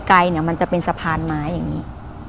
ไกลเนี่ยมันจะเป็นสะพานไม้อย่างนี้